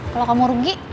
kalau kamu rugi